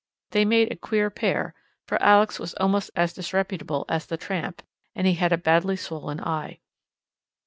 They made a queer pair, for Alex was almost as disreputable as the tramp, and he had a badly swollen eye.